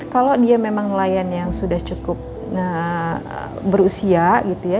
kalau dia memang nelayan yang sudah cukup berusia gitu ya